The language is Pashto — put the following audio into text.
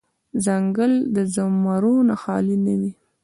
ـ ځنګل د زمرو نه خالې نه وي.